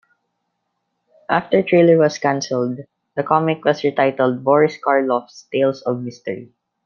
After "Thriller" was cancelled, the comic was retitled "Boris Karloff's Tales of Mystery.